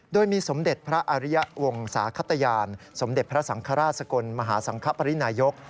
โดยมีสมเด็จพระอริยะวงศาขตยานสมเด็จพระสังฆราชสกลมหาสังคปรินายก